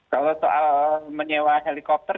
kalau soal menyewa helikopter